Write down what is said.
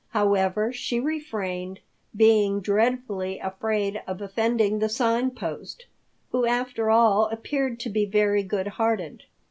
However, she refrained, being dreadfully afraid of offending the Sign Post, who after all appeared to be very good hearted.